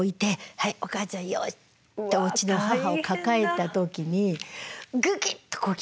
はいおかあちゃんよし」ってうちの母を抱えた時にグキッとこう来たんですよ。